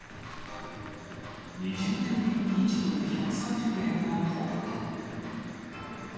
２０年ぶりに１ドル１３０円を突破。